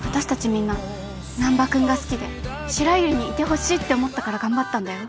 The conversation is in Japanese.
みんな難破君が好きで白百合にいてほしいって思ったから頑張ったんだよ。